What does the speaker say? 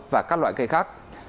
và các loại cây khác